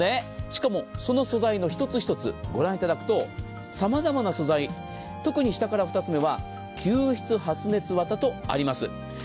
しかもその素材の一つ一つ御覧いただくと、さまざまな素材、特に下から２つ目は吸湿発熱綿とあります。